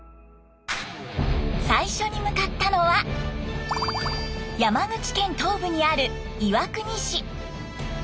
最初に向かったのは山口県東部にある岩国市。